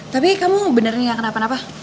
tapi kamu beneran gak kena apa apa